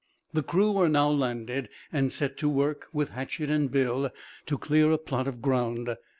The crew were now landed; and set to work, with hatchet and bill, to clear a plot of ground.